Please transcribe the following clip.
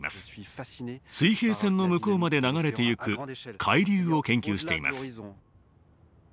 水平線の向こうまで流れてゆく海流を研究しています。